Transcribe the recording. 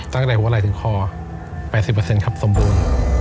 ตั้งแต่หัวไหล่ถึงคอ๘๐ครับสมบูรณ์